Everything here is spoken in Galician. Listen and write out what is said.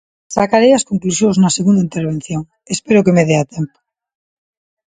Sacarei as conclusións na segunda intervención; espero que me dea tempo.